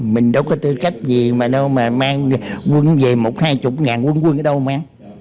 mình đâu có tư cách gì mà mang quân về một hai chục ngàn quân quân ở đâu mà